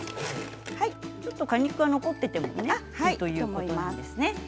ちょっと果肉が残っていてもいいんですね。